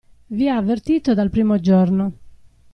Vi ha avvertito dal primo giorno.